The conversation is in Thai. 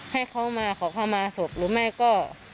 ให้เขามาขอเข้ามาศพหรือไม่ก็